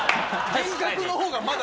幻覚の方がまだ。